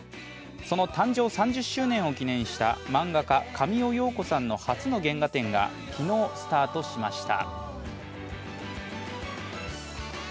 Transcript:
その誕生３０周年を記念した漫画家・神尾葉子さんの初の原画展が昨日、スタートしました。